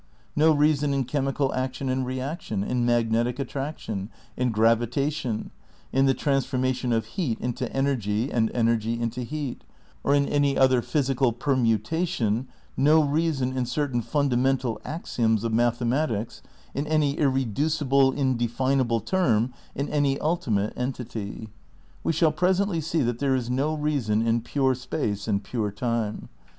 No reason in chemical action and reaction, in magnetic attraction; in gravitation; in the transformation of heat into energy and energy into heat, or in any other physical permutation, no reason in certain fundamental axioms of mathematics, in any irreducible, indefinable term, in any ultimate entity. "We shall presently see that there is no reason in pure space and pure time.